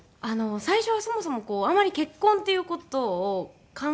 最初はそもそもあんまり結婚っていう事を考えてなくて。